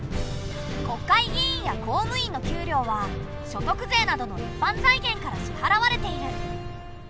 国会議員や公務員の給料は所得税などの一般財源から支払われている。